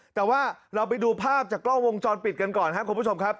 แต่ว่าเราไปดูภาพจากกล้องวงจรปิดกันก่อนครับคุณผู้ชมครับ